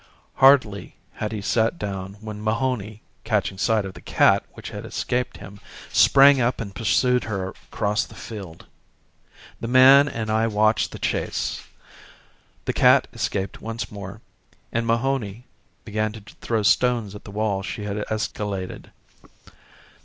Hardly had he sat down when Mahony, catching sight of the cat which had escaped him, sprang up and pursued her across the field. The man and I watched the chase. The cat escaped once more and Mahony began to throw stones at the wall she had escaladed.